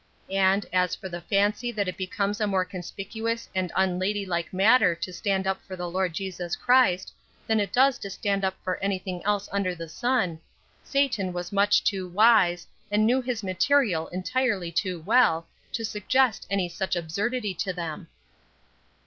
And, as for the fancy that it becomes a more conspicuous and unladylike matter to stand up for the Lord Jesus Christ, than it does to stand up for anything else under the sun; Satan was much too wise, and knew his material entirely too well, to suggest any such absurdity to them.